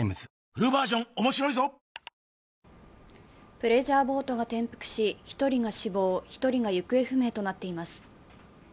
プレジャーボートが転覆し、１人が死亡、１人が行方不明となっています。